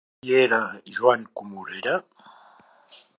Qui era Joan Comorera?